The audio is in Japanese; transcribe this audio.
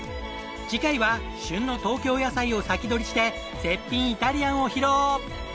次回は旬の東京野菜を先取りして絶品イタリアンを披露！